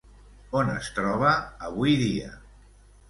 On es troba avui dia?